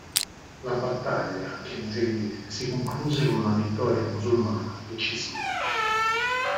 La battaglia che ne seguì si concluse con una vittoria musulmana decisiva.